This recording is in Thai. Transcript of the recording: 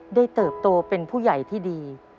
เติบโตเป็นผู้ใหญ่ที่ดี